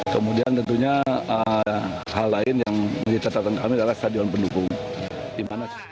kemudian tentunya hal lain yang menjadi catatan kami adalah stadion pendukung